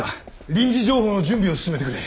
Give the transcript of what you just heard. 臨時情報の準備を進めてくれ。